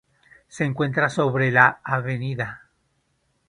Se encuentra sobre la Av.